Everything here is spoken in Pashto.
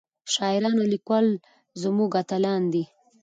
شاعران او ليکوال زمونږ اتلان دي